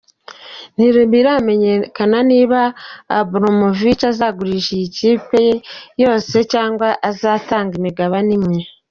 Ntibiramenyekana niba Abramovich azagurisha iyi kipe yose cyanga azatanga imigabane imwe.